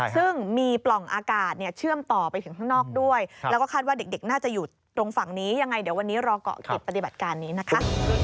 ซึ่งมีปล่องอากาศเนี่ยเชื่อมต่อไปถึงข้างนอกด้วยแล้วก็คาดว่าเด็กน่าจะอยู่ตรงฝั่งนี้ยังไงเดี๋ยววันนี้รอเกาะติดปฏิบัติการนี้นะคะ